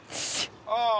ああ。